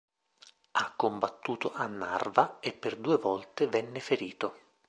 Ha combattuto a Narva e per due volte venne ferito.